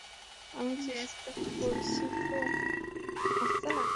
আমি চেষ্টা করছি তো।